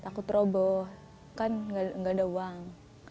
takut roboh kan nggak ada uang